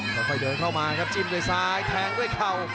ค่อยเดินเข้ามาครับจิ้มด้วยซ้ายแทงด้วยเข่า